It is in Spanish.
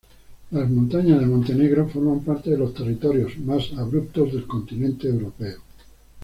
Las montañas de "Montenegro" forman parte de los territorios más abruptos del continente europeo.